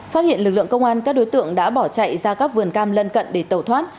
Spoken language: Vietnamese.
phát hiện lực lượng công an các đối tượng đã bỏ chạy ra các vườn cam lân cận để tẩu thoát